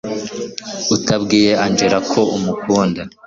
utabwiye angella ko umukunda